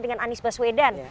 dengan anies baswedan